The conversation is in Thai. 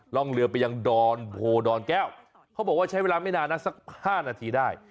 ร่องเรือไปยังดอนโพดอนแก้วเขาบอกว่าใช้เวลาไม่นานนะสัก๕นาทีได้